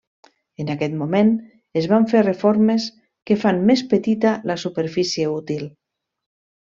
En aquest moment es van fer reformes que fan més petita la superfície útil.